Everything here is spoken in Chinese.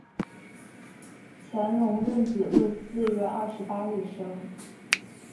乾隆壬子闰四月二十八日生。